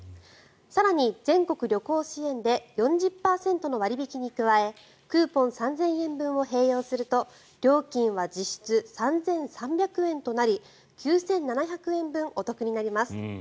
更に全国旅行支援で４０％の割引に加えクーポン３０００円分を併用すると料金は実質３３００円となり９７００円分お得になります。